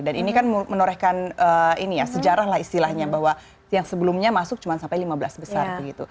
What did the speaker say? dan ini kan menorehkan sejarah lah istilahnya bahwa yang sebelumnya masuk cuma sampai lima belas besar